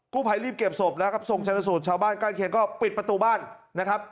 กูภัยรีบเก็บศพแล้วส่งชาวบ้านกล้านเขียนปิดประตูบ้านนะครับ